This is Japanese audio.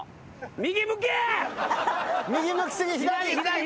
右向き過ぎ左！